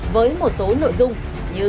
với một số nội dung như